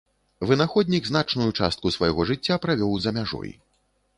Вынаходнік значную частку свайго жыцця правёў за мяжой.